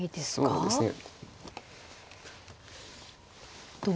そうですね。